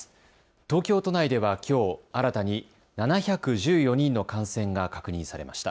東京都内ではきょう、新たに７１４人の感染が確認されました。